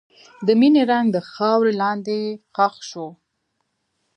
د مینې رنګ د خاورې لاندې ښخ شو.